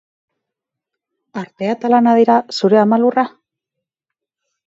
Artea eta lana dira zure ama lurra?